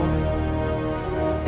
mbak nini itu pernah